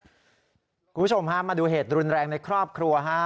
คุณผู้ชมฮะมาดูเหตุรุนแรงในครอบครัวฮะ